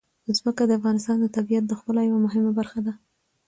ځمکه د افغانستان د طبیعت د ښکلا یوه مهمه برخه ده.